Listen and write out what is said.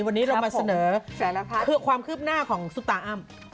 วันนี้เรามาเสนอความคืบหน้าของสุตาอ้ำ